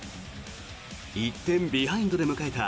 １点ビハインドで迎えた